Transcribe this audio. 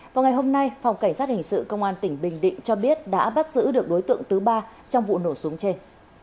vào ngày hôm nay phòng cảnh sát hình sự công an tỉnh bình định cho biết đã bắt giữ được đối tượng thứ ba trong vụ nổ súng trên